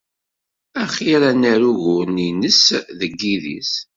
Axir ad nerr uguren-is deg yidis.